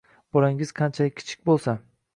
Bolangiz qanchalik kichik bo‘lsa